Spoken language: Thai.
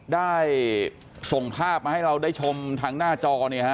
ได้ส่งภาพมาให้เราได้ชมทางหน้าจอเนี่ยฮะ